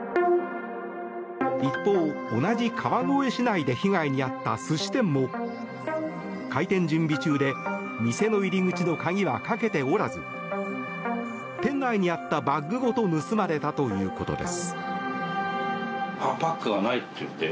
一方、同じ川越市内で被害に遭った寿司店も開店準備中で店の入り口の鍵はかけておらず店内にあったバッグごと盗まれたということです。